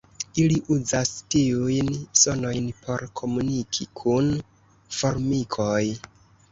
Ili uzas tiujn sonojn por komuniki kun formikoj.